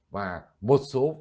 và một số